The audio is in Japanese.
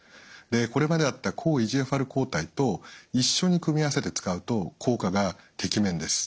これまであった抗ＥＧＦＲ抗体と一緒に組み合わせて使うと効果がてきめんです。